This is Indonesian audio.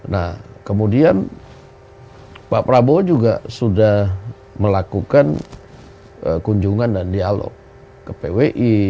nah kemudian pak prabowo juga sudah melakukan kunjungan dan dialog ke pwi